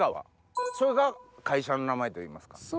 それが会社の名前といいますか。